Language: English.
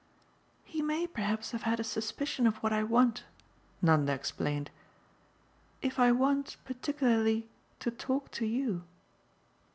"He may perhaps have had a suspicion of what I want," Nanda explained. "If I want particularly to talk to you